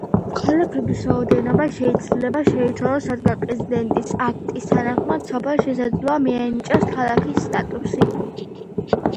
ქალაქების რაოდენობა შეიძლება შეიცვალოს, რადგან პრეზიდენტის აქტის თანახმად სოფელს შესაძლოა მიენიჭოს ქალაქის სტატუსი.